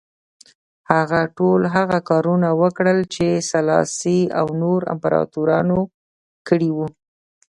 هغه ټول هغه کارونه وکړل چې سلاسي او نورو امپراتورانو کړي وو.